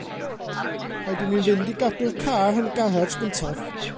Rhaid i mi fynd i gadw'r car yn y garej gyntaf.